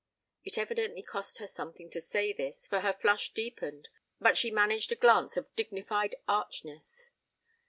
It evidently cost her something to say this, for her flush deepened, but she managed a glance of dignified archness.